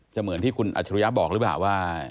จะเหมือนที่คุณอัชฌริยาบอกรึเปล่าว่า